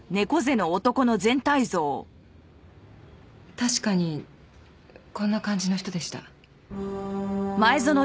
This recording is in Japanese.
確かにこんな感じの人でした。